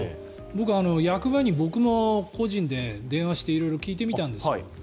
僕、役場に僕個人で電話して聞いてみたんです。